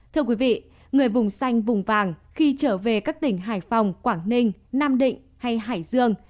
thưa quý vị người vùng xanh vùng vàng khi trở về các tỉnh hải phòng quảng ninh nam định hay hải dương